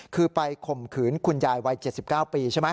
คือไปข่มขืนคุณยายวัย๗๙ปีใช่ไหม